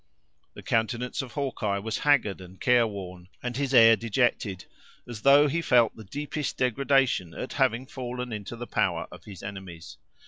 The countenance of Hawkeye was haggard and careworn, and his air dejected, as though he felt the deepest degradation at having fallen into the power of his enemies.